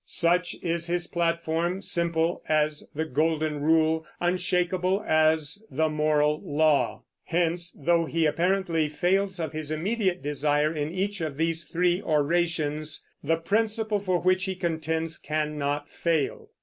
Such is his platform, simple as the Golden Rule, unshakable as the moral law. Hence, though he apparently fails of his immediate desire in each of these three orations, the principle for which he contends cannot fail.